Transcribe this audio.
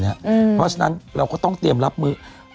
เพราะฉะนั้นเราก็ต้องเตรียมรับมือ